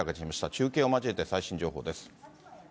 中継を交えて最新情報です。